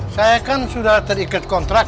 saya kan sudah terikat kontrak